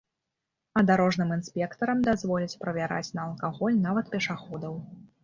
А дарожным інспектарам дазволяць правяраць на алкаголь нават пешаходаў.